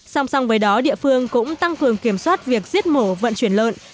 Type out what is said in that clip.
song song với đó địa phương cũng tăng cường kiểm soát việc giết mổ vận chuyển lợn